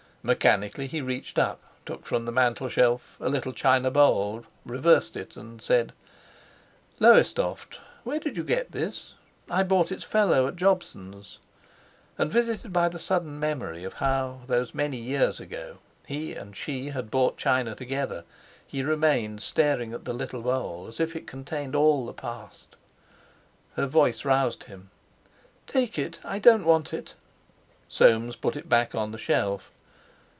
Mechanically he reached up, took from the mantel shelf a little china bowl, reversed it, and said: "Lowestoft. Where did you get this? I bought its fellow at Jobson's." And, visited by the sudden memory of how, those many years ago, he and she had bought china together, he remained staring at the little bowl, as if it contained all the past. Her voice roused him. "Take it. I don't want it." Soames put it back on the shelf.